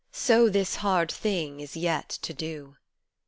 So this hard thing is yet to do.